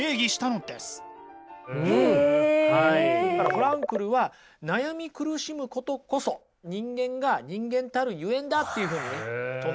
フランクルは悩み苦しむことこそ人間が人間たるゆえんだっていうふうにね唱えたわけですよ。